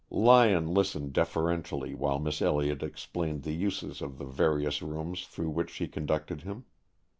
Lyon listened deferentially while Miss Elliott explained the uses of the various rooms through which she conducted him.